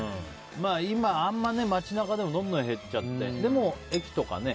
今街中でもどんどん減っちゃって駅とかね